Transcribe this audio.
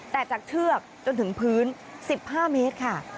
แต่จากเชือกจนถึงพื้น๑๕เมตรค่ะ